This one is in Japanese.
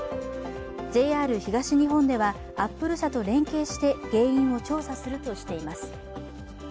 ＪＲ東日本では、アップル社と連携して原因を調査するとしています。